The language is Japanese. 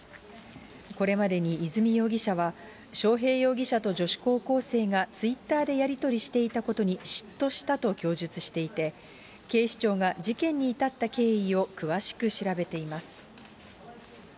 これまでに和美容疑者は、章平容疑者と女子高校生がツイッターでやり取りしていたことに嫉妬したと供述していて、警視庁が事件に至った経緯を詳しく調べています。